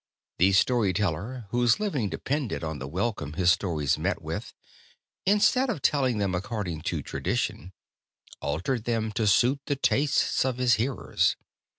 The story teller, whose living depended on the welcome his stories met with, instead of telling them according to tradition, altered them to suit the tastes of his hearers.